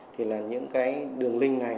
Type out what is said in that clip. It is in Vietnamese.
thì là những cái đường link